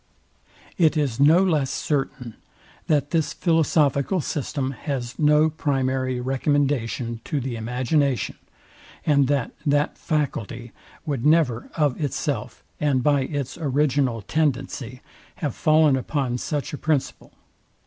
It is no less certain, that this philosophical system has no primary recommendation to the imagination, and that that faculty would never, of itself, and by its original tendency, have fallen upon such a principle.